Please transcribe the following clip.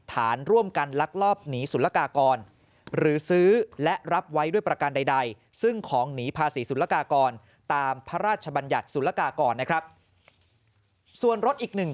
ฐานร่วมกันลักลอบหนีสุลกากร